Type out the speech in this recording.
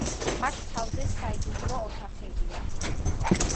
მათ თავზე საიდუმლო ოთახებია.